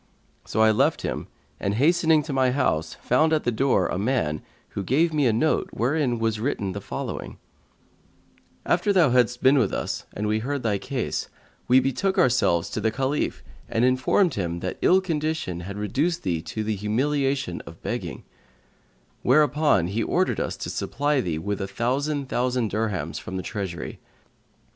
So I left him and, hastening to my house, found at the door a man who gave me a note wherein was written the following: After thou hadst been with us and we heard thy case, we betook ourselves to the Caliph and informed him that ill condition had reduced thee to the humiliation of begging; where upon he ordered us to supply thee with a thousand thousand dirhams from the Treasury.